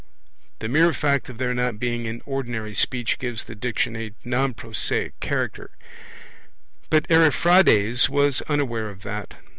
The mere fact of their not being in ordinary speech gives the Diction a non prosaic character; but Ariphrades was unaware of that.